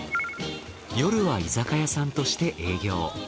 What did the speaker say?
夜は居酒屋さんとして営業。